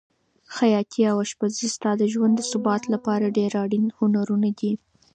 خیاطي او اشپزي ستا د ژوند د ثبات لپاره ډېر اړین هنرونه دي.